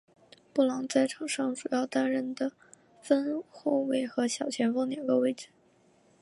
布朗在场上主要担任得分后卫和小前锋两个位置。